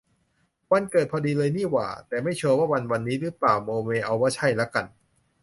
วันเกิดพอดีเลยนี่หว่า แต่ไม่ชัวร์ว่ามันวันนี้รึเปล่า โมเมเอาว่าใช่ละกัน